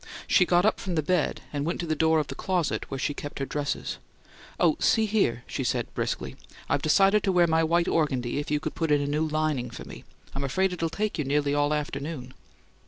She got up from the bed and went to the door of the closet where she kept her dresses. "Oh, see here," she said, briskly. "I've decided to wear my white organdie if you could put in a new lining for me. I'm afraid it'll take you nearly all afternoon."